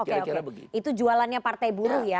oke oke itu jualannya partai buruh ya